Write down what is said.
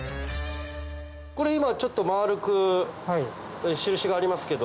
これ今丸く印がありますけど。